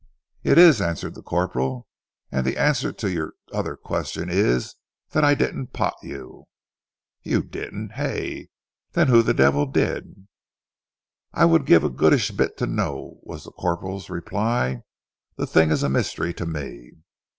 "It is," answered the corporal, "and the answer to your other question is that I didn't pot you." "You didn't, hey? Then who the devil did?" "I would give a goodish bit to know," was the corporal's reply. "The thing is a mystery to me."